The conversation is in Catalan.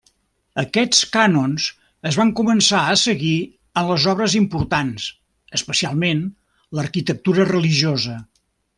Aquests cànons es van començar a seguir en les obres importants, especialment l'arquitectura religiosa.